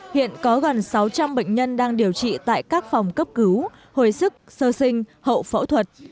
hiện có gần sáu trăm linh bệnh nhân đang điều trị tại các phòng cấp cứu hồi sức sơ sinh hậu phẫu thuật